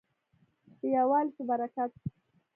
د یووالي په برکت.